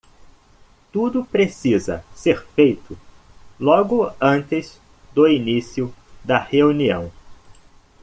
Tudo precisa ser feito logo antes do início da reunião.